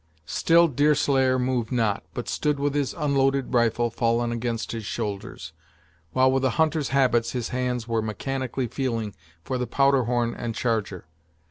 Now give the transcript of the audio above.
Still Deerslayer moved not, but stood with his unloaded rifle fallen against his shoulders, while, with a hunter's habits, his hands were mechanically feeling for the powder horn and charger.